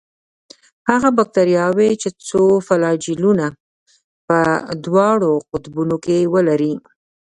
هغه باکتریاوې چې څو فلاجیلونه په دواړو قطبونو کې ولري.